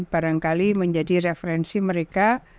barangkali menjadi referensi mereka